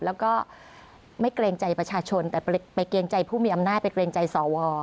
แล้วก็ไม่เกรงใจประชาชนแต่ไปเกรงใจผู้มีอำนาจไปเกรงใจสว